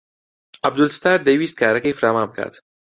عەبدولستار دەیویست کارەکەی فراوان بکات.